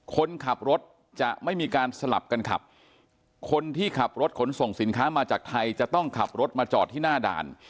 คนขับรถจะไม่มีการสลับกันขับคนที่ขับรถขนส่งสินค้ามาจากไทยจะต้องขับรถมาจอดที่หน้าด่าน